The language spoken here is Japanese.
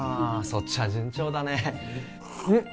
そっちは順調だねんっ